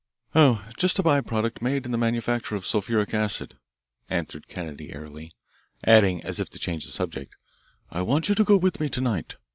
"Oh, just a by product made in the manufacture of sulphuric acid," answered Kennedy airily, adding, as if to change the subject: "I want you to go with me to night.